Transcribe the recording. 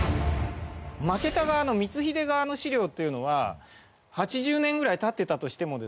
負けた側の光秀側の史料というのは８０年ぐらい経ってたとしてもですね